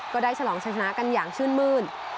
ก็ได้ฉลองชัยชนะกันอย่างชื่นมืน